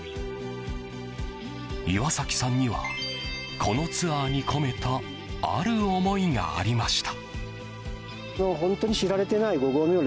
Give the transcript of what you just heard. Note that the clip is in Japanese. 岩崎さんにはこのツアーに込めたある思いがありました。